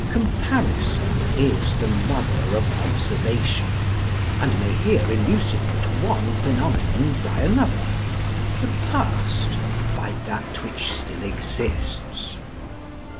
Comparison is the mother of observation, and may here elucidate one phenomenon by another the past by that which still exists.